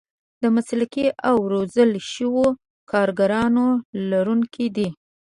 د مسلکي او روزل شوو کارګرانو لرونکي دي.